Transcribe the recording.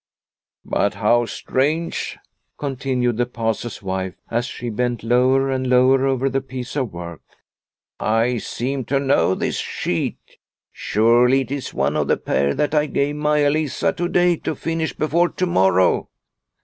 The Daily Round 197 4< But how strange," continued the Pastor's wife, as she bent lower and lower over the piece of work. " I seem to know this sheet. Surely, it is one of the pair that I gave Maia Lisa to day to finish before to morrow.